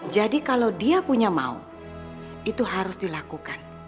jadi kalau dia punya mau itu harus dilakukan